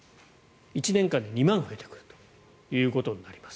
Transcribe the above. １年間で２万増えてくるということになります。